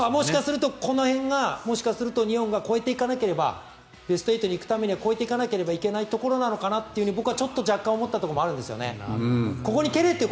もしかするとこの辺が日本が超えていかなければベスト８に行くためには超えていかなければいけないところなのかなと若干思ったところはあるんですよね。